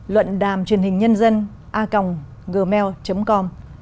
luận đàm truyền hình nhân dân a gmail com